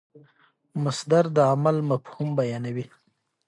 مصدر د عمل مفهوم بیانوي.